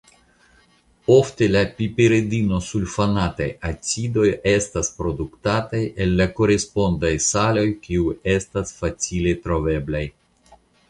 Ofte la piperidinosulfonataj acidoj estas produktataj el la korespondaj saloj kiuj estas facile troveblaj.